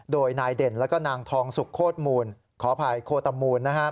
โดยนายเด่นแล้วก็นางทองสุกโคตรมูลขออภัยโคตมูล